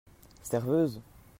Serveuse !